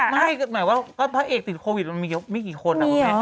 ไม่หมายว่าก็พระเอกติดโควิดมันมีไม่กี่คนนะคุณแม่